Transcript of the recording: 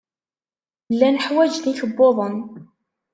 Llan ḥwajen ikebbuḍen.